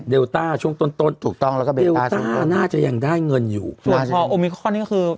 ต้าช่วงต้นต้นถูกต้องแล้วก็เบลต้าน่าจะยังได้เงินอยู่ส่วนพอโอมิคอนนี่ก็คือ